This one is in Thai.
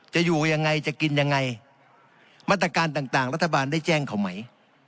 จะอยู่อย่างนี้บรรยาการกินเลยมาตรการต่างรัฐบาลได้แจ้งเขาไหม